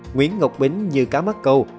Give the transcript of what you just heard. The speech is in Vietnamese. nguyễn ngọc bính như cá mắt câu